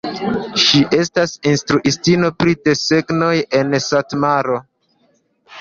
Ŝi estas instruistino pri desegno en Satmaro.